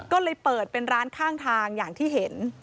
ก็เลยเปิดเป็นร้านข้างทางอย่างที่เห็น